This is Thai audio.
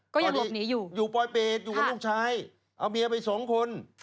หลบหนีอยู่อยู่ปลอยเปรตอยู่กับลูกชายเอาเมียไปสองคน